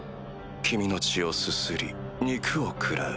君の血をすすり肉を食らう。